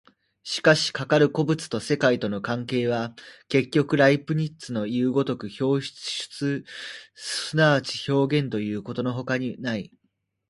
しかしかかる個物と世界との関係は、結局ライプニッツのいう如く表出即表現ということのほかにない。